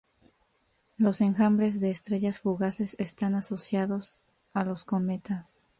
Los enjambres de estrellas fugaces están asociados a los cometas.